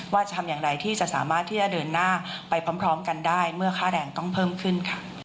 ทำอย่างไรที่จะสามารถที่จะเดินหน้าไปพร้อมกันได้เมื่อค่าแรงต้องเพิ่มขึ้นค่ะ